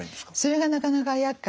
それがなかなかやっかいで。